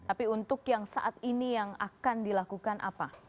tapi untuk yang saat ini yang akan dilakukan apa